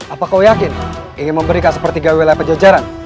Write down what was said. apa kau yakin ingin memberikan sepertiga wilayah pejajaran